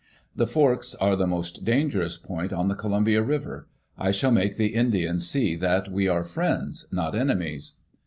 "The Forks are the most dangerous point on the Colum bia Riven I shall make the Indians see that we are friends, not enemies."